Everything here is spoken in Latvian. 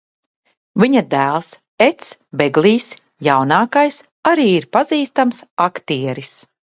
Viņa dēls Eds Beglijs jaunākais arī ir pazīstams aktieris.